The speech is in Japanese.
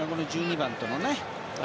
１２番とのね。